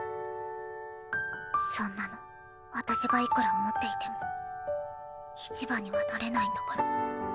そんなの私がいくら思っていてもいちばんにはなれないんだから。